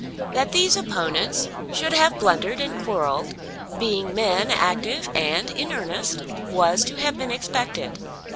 That these opponents should have blundered and quarrelled, being men active and in earnest, was to have been expected.